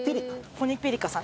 ポニピリカさん。